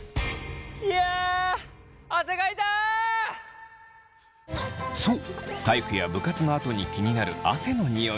いやそう体育や部活のあとに気になる汗のニオイ。